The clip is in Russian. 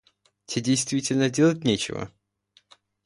Те действительно делать нечего?